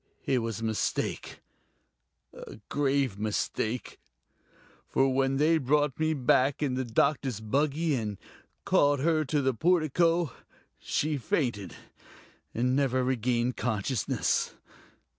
It was a mistake ... a grave mistake. For when they brought me back in the doctor's buggy and called her to the portico, she fainted, and never regained consciousness.